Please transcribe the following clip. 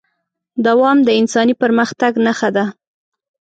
دوام د انساني پرمختګ نښه ده.